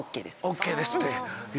ＯＫですって。